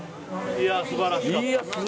素晴らしかった。